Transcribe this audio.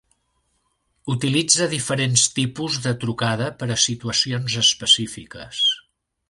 Utilitza diferents tipus de trucada per a situacions específiques.